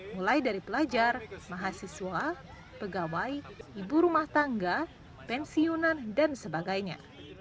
mulai dari pelajar mahasiswa pegawai ibu rumah tangga pensiunan dan sebagainya